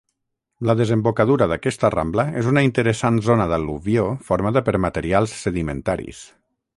La desembocadura d'aquesta rambla és una interessant zona d'al·luvió formada per materials sedimentaris.